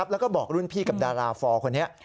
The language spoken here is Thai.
แล้วก็บอกรุ่นพี่กับดาราฟอร์คนนี้